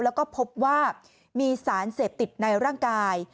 แล้วก็พบว่ามีสารเสพติดในร่างกาย